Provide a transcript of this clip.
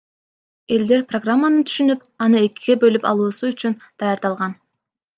Элдер программаны түшүнүп, аны экиге бөлүп алуусу үчүн даярдалган.